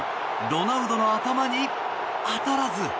ロナウドの頭に当たらず。